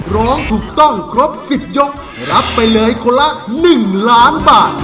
ร้องถูกต้องครบ๑๐ยกรับไปเลยคนละ๑ล้านบาท